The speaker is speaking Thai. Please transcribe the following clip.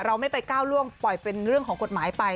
เราไม่ไปก้าวล่วงปล่อยเป็นเรื่องของกฎหมายไป